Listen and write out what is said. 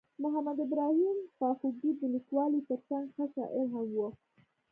محمد ابراهیم خواخوږی د لیکوالۍ ترڅنګ ښه شاعر هم ؤ.